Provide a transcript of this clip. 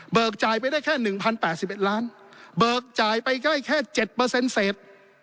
เบิกจ่ายไปได้แค่หนึ่งพันแปดสิบเอ็ดล้านเบิกจ่ายไปได้แค่เจ็ดเปอร์เซ็นต์เสร็จ